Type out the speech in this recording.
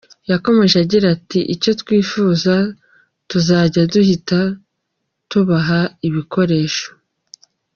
Yakomeje agira ati “Icyo twifuza, tuzajya duhita tubaha ibikoresho.